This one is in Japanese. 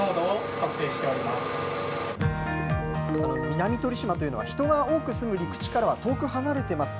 南鳥島というのは、人が多く住む陸地からは遠く離れています。